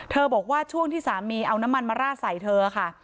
บอกว่าช่วงที่สามีเอาน้ำมันมาราดใส่เธอค่ะ